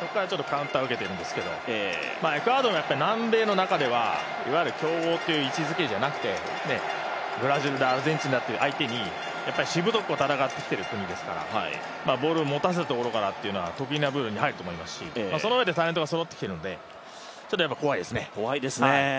そこからカウンター受けてるんですけど、エクアドルも南米の中ではいわゆる強豪っていう位置づけではなくてブラジルだ、アルゼンチンだっていう相手にしぶとく戦ってきている国ですからボールを持たせてくるところは得意な部分でもありますしそのうえでタレントがそろってきているのでやっぱり怖いですね。